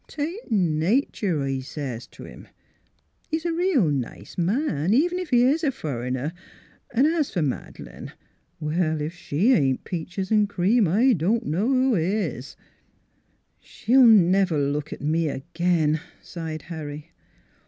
'Tain't natur',' I says t' 'im. ... He's a reel nice man, even ef he is fur'n, an' 's fer Mad'lane Well ! ef she ain't peaches 'n' cream I don' know who is." " She'll never look at me again," sighed Harry.